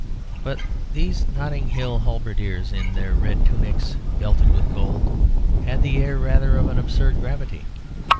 But these Notting Hill halberdiers in their red tunics belted with gold had the air rather of an absurd gravity.